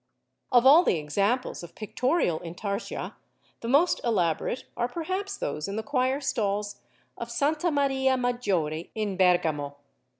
Of all the examples of pictorial Intarsia the most elaborate are perhaps those in the choir stalls of Sta. Maria Maggiore in Bergamo.